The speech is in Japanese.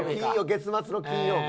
月末の金曜日。